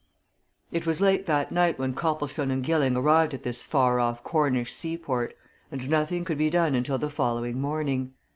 It was late that night when Copplestone and Gilling arrived at this far off Cornish seaport, and nothing could be done until the following morning.